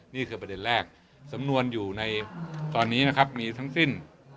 นี่คือประเด็นแรกสำนวนอยู่ในตอนนี้นะครับมีทั้งสิ้น